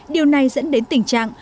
điều này dẫn đến tình trạng